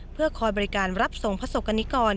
เพื่อคอยบริการรับส่งพระศกกรณิกร